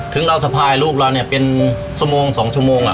ถึงเราสะพายลูกเราเนี่ยเป็นสักสองชั่วโมง